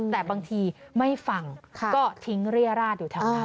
แต่บางทีไม่ฟังก็ทิ้งเรียราชอยู่แถวนั้น